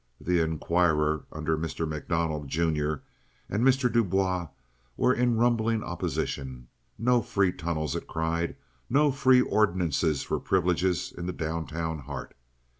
The Inquirer, under Mr. MacDonald, junior, and Mr. Du Bois, was in rumbling opposition. No free tunnels, it cried; no free ordinances for privileges in the down town heart.